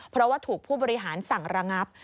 เพราะว่าถูกผู้บริหารสั่งระงับ